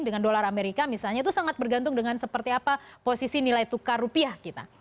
dengan dolar amerika misalnya itu sangat bergantung dengan seperti apa posisi nilai tukar rupiah kita